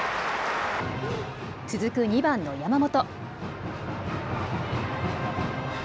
続く２番の山本。